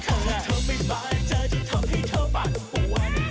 ถ้าเธอไม่บานใจที่ทำให้เธอบาดหวน